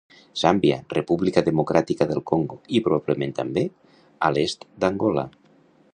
Zàmbia, República Democràtica del Congo i, probablement també, a l'est d'Angola.